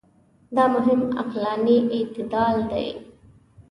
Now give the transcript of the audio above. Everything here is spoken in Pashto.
دا مهم عقلاني استدلال دی.